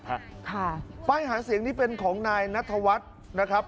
ค่ะป้ายหาเสียงนี้เป็นของนายนัทวัฒน์นะครับ